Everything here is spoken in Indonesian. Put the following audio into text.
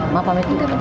maaf mek ntar ntar mak